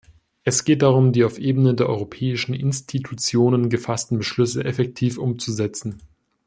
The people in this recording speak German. Es geht darum, die auf Ebene der europäischen Institutionen gefassten Beschlüsse effektiv umzusetzen.